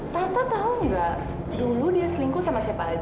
tata tahu nggak dulu dia selingkuh sama siapa aja